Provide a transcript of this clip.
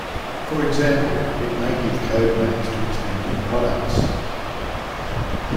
For example, it may give code names to it's pending products.